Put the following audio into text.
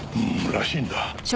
らしいんだ。